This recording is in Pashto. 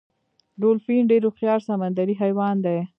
ډولفین ډیر هوښیار سمندری حیوان دی